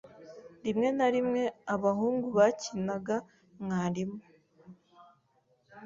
Rimwe na rimwe abahungu bakinaga mwarimu.